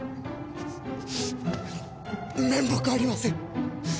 面目ありません！